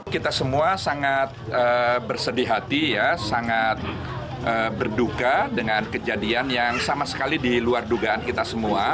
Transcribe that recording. kita semua sangat bersedih hati ya sangat berduka dengan kejadian yang sama sekali diluar dugaan kita semua